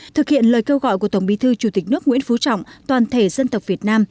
thực hiện lời kêu gọi của tổng bí thư chủ tịch nước nguyễn phú trọng toàn thể dân tộc việt nam